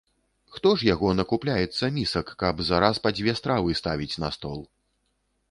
Хто ж яго накупляецца місак, каб зараз па дзве стравы ставіць на стол.